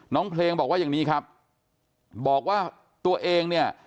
น้องเพลงบอกว่าอย่างนี้ครับบอกว่าตัวเองเนี่ย